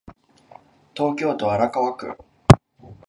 東京都荒川区